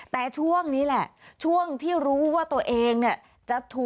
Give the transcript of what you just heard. แต่ช่วงนี้แหละช่วงที่รู้ว่าตัวเองเนี่ยจะถูก